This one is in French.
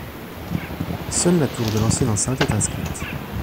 Seul la tour de l'ancienne enceinte est inscrite.